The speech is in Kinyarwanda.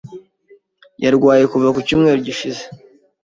Yarwaye kuva ku cyumweru gishize.